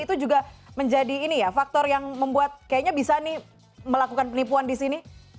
itu juga menjadi ini ya faktor yang membuat kayaknya bisa nih melakukan penipuan di sini